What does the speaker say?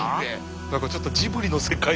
何かちょっとジブリの世界。